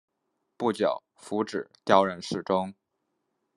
不久傅祗调任侍中。